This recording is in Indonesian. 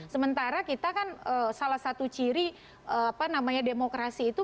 sementara kita kan salah satu ciri demokrasi itu